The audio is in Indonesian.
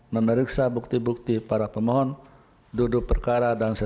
memeriksa bukti bukti para pemohon duduk perkara dan sebagainya